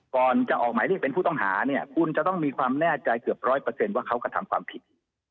ก่อนจะออกหมายเรียกเป็นผู้ต้องหาเนี่ยคุณจะต้องมีความแน่ใจเกือบร้อยเปอร์เซ็นต์ว่าเขากระทำความผิด